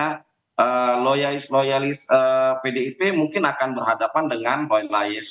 nah loyalis loyalis pdip mungkin akan berhadapan dengan loyalis loyalis